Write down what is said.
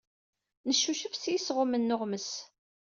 Neccucuf s yisɣumen n uɣemmes.